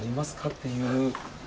っていう。